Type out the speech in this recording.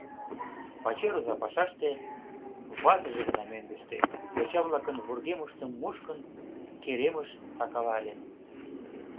Пачер оза пашаште, ватыже гына мӧҥгыштӧ, йоча-влакын вургемыштым мушкын, керемыш сакала ыле.